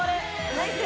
ナイス！